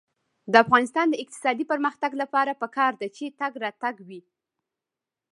د افغانستان د اقتصادي پرمختګ لپاره پکار ده چې تګ راتګ وي.